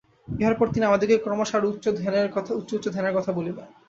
ইহার পর তিনি আমাদিগকে ক্রমশ আরও উচ্চ উচ্চ ধ্যানের কথা বলিবেন।